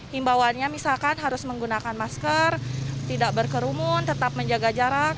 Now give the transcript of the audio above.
himbauannya misalkan harus menggunakan masker tidak berkerumun tetap menjaga jarak